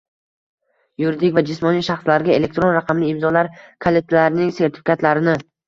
yuridik va jismoniy shaxslarga elektron raqamli imzolar kalitlarining sertifikatlarini